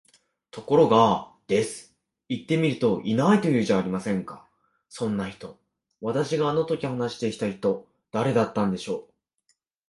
ところが、です。行ってみると居ないと言うじゃありませんか、そんな人。私があの時話していた人、誰だったんでしょう？